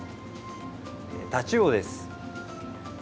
タチウオです。